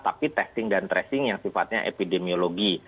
tapi testing dan tracing yang sifatnya epidemiologi